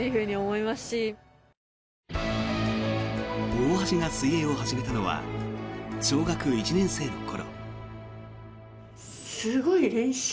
大橋が水泳を始めたのは小学１年生の頃。